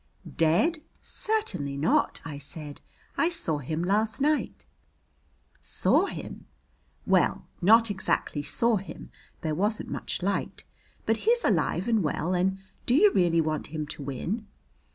"Dead! Certainly not," I said. "I saw him last night." "Saw him!" "Well, not exactly saw him there wasn't much light. But he's alive and well, and do you really want him to win?"